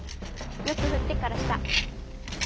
よく振ってから下！